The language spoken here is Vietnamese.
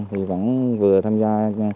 thì vẫn vừa tham gia